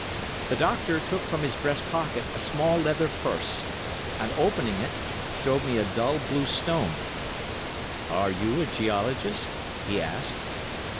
The doctor took from his breast pocket a small leather purse, and, opening it, showed me a dull, blue stone. "Are you a geologist?" he asked.